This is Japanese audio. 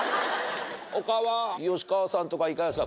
吉川さんとかいかがですか？